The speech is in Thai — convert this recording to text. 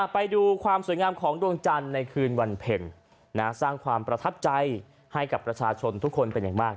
ไปดูความสวยงามของดวงจันทร์ในคืนวันเพ็ญสร้างความประทับใจให้กับประชาชนทุกคนเป็นอย่างมาก